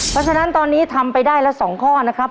เพราะฉะนั้นตอนนี้ทำไปได้ละ๒ข้อนะครับ